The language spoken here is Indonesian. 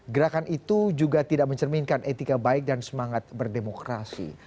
gerakan itu juga tidak mencerminkan etika baik dan semangat berdemokrasi